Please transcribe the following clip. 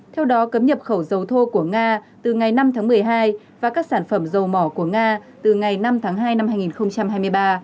theo đó cấm nhập khẩu dầu thô của nga từ ngày năm tháng một mươi hai và các sản phẩm dầu mỏ của nga từ ngày năm tháng hai năm hai nghìn hai mươi ba